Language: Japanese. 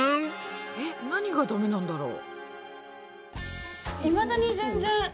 えっ何がダメなんだろう？